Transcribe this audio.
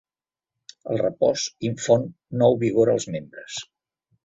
El repòs infon nou vigor als membres.